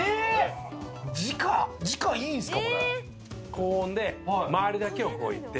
高温で周りだけを置いて。